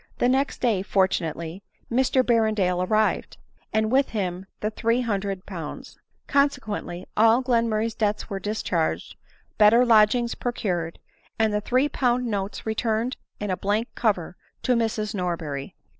The next day, fortunately, Mr Berrendale arrived, and with him the 300Z. Consequendy, all Glenmurray's debts were 1 discharged, better lodgings procured, and the three pound notes returned in a blank cover to Mrs. Norberry.